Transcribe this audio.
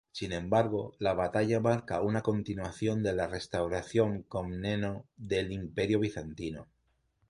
Sin embargo, la batalla marca una continuación de la restauración Comneno del Imperio Bizantino.